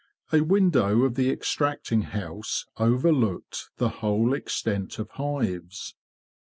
A window of the extracting house overlooked the whole extent of hives.